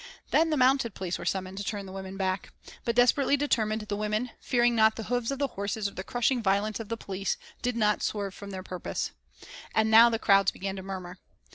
Then the mounted police were summoned to turn the women back. But, desperately determined, the women, fearing not the hoofs of the horses or the crushing violence of the police, did not swerve from their purpose. And now the crowds began to murmur.